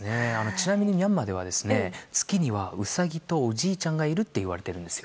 ちなみにミャンマーでは月にはウサギとおじいちゃんがいるって言われているんです。